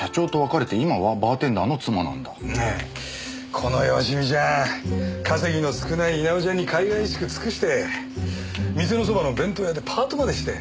この佳美ちゃん稼ぎの少ない稲尾ちゃんにかいがいしく尽くして店のそばの弁当屋でパートまでして。